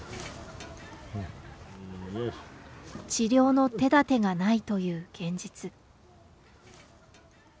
治療の手だてがないという現実。